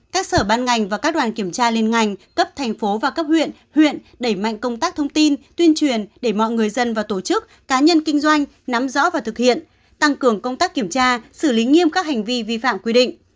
các sở ban ngành và các đoàn kiểm tra liên ngành cấp thành phố và cấp huyện huyện đẩy mạnh công tác thông tin tuyên truyền để mọi người dân và tổ chức cá nhân kinh doanh nắm rõ và thực hiện tăng cường công tác kiểm tra xử lý nghiêm các hành vi vi phạm quy định